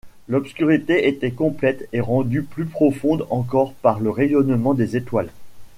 L’obscurité était complète et rendue plus profonde encore par le rayonnement des étoiles.